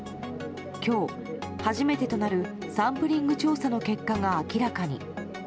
きょう、初めてとなるサンプリング調査の結果が明らかに。